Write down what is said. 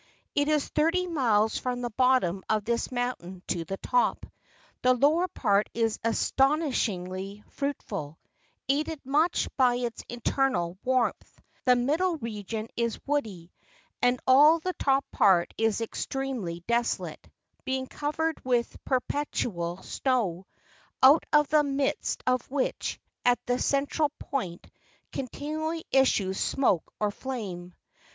It is thirty miles from the bottom of this moun tain to the top. The lower part is astonishingly 4G ITALY. fruitful, aided much by its internal warmth ; the middle region is woody, and all the top part is extremely desolate, being covered with perpetual snow: out of the midst of which, at the central point, continually issues smoke or flame.